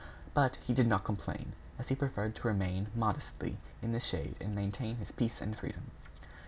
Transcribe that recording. But he did not complain, as he preferred to remain, modestly, in the shade and maintain his peace and freedom.